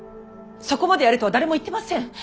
そこまでやれとは誰も言ってません。